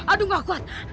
aduh nggak kuat